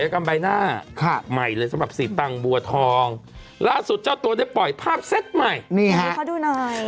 ใบหน้าใหม่เลยสำหรับสีตังบัวทองล่าสุดเจ้าตัวได้ปล่อยภาพเซ็ตใหม่นี่ฮะให้เขาดูหน่อย